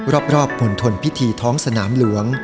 รอบปล่นทนพิธีท้องสนามหลวง